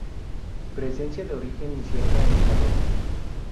Presencia de origen incierta en Ecuador.